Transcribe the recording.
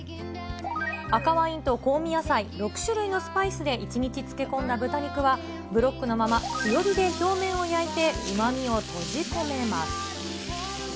赤ワインと香味野菜６種類のスパイスで１日漬け込んだ豚肉は、ブロックのまま、強火で表面を焼いてうまみを閉じ込めます。